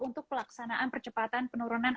untuk pelaksanaan percepatan penurunan